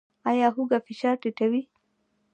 ایا هوږه فشار ټیټوي؟